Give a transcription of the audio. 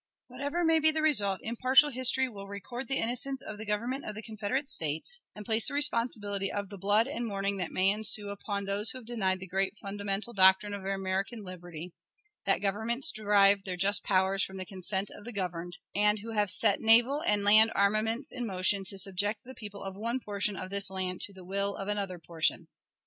Whatever may be the result, impartial history will record the innocence of the Government of the Confederate States, and place the responsibility of the blood and mourning that may ensue upon those who have denied the great fundamental doctrine of American liberty, that "governments derive their just powers from the consent of the governed," and who have set naval and land armaments in motion to subject the people of one portion of this land to the will of another portion.